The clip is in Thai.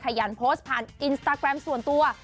ยันโพสต์ผ่านอินสตาแกรมส่วนตัว